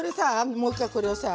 もう一回これをさ。